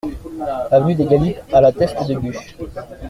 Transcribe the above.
Avenue des Galipes à La Teste-de-Buch